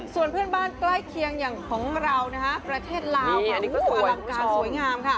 ส่วนเพื่อนบ้านใกล้เคียงอย่างของเราประเทศลาวนี่ก็คืออลังการสวยงามค่ะ